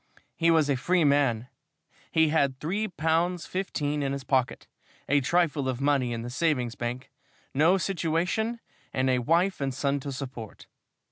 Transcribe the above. He was a free man. He had three pounds fifteen in his pocket, a trifle of money in the savings bank, no situation, and a wife and son to support.